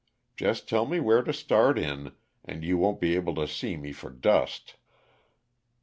Just tell me where to start in, and you won't be able to see me for dust!"